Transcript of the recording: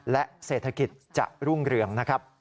และเศรษฐกิจจะรุ่งเรือง